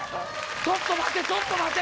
ちょっと待てちょっと待て。